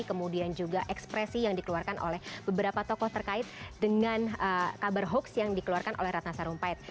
kemudian juga ekspresi yang dikeluarkan oleh beberapa tokoh terkait dengan kabar hoax yang dikeluarkan oleh ratna sarumpait